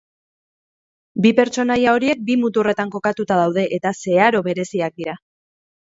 Bi pertsonaia horiek bi muturretan kokatuta daude, eta zeharo bereziak dira.